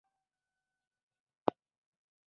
دا اثر یوازې شننه نه دی بلکې د تاکید یو مهم مهر دی.